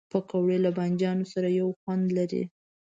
پکورې له بادنجان سره یو خوند لري